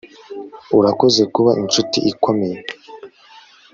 urakoze kuba inshuti ikomeye